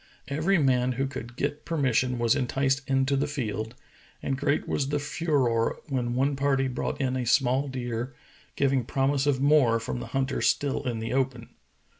Every man who could get per mission was enticed into the field, and great was the furore when one party brought in a small deer, giv ing promise of more from the hunters still in the open.